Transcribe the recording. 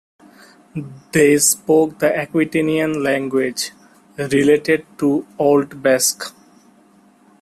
They spoke the Aquitanian language, related to Old Basque.